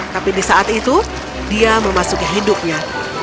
tapi di saat itu dia memasuki hidupnya